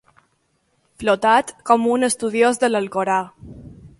Flotat com un estudiós de l'Alcorà.